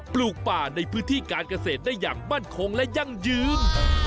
ปลูกป่าในพื้นที่การเกษตรได้อย่างมั่นคงและยั่งยืน